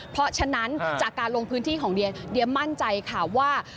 เพราะฉะนั้นจากการลงพื้นที่ของเดียเดียมั่นใจค่ะว่า